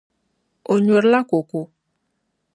O nyurila koko.